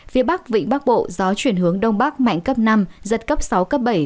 phía bắc vịnh bắc bộ gió chuyển hướng đông bắc mạnh cấp năm giật cấp sáu cấp bảy